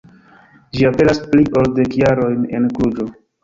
Ĝi aperas pli ol dek jarojn en Kluĵo.